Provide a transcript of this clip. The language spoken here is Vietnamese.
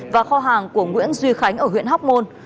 và kho hàng của nguyễn duy khánh ở huyện hóc môn